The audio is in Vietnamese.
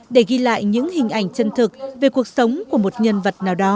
để ghi lại những bài hát của chúng tôi